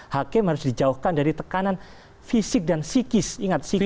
hakim harus dijauhkan dari tekanan fisik dan psikis ingat psikis